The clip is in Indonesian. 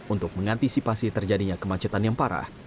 untuk mengantisipasi terjadinya kemacetan yang parah